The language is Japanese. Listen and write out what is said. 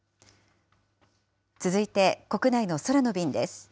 続いて、国内の空の便です。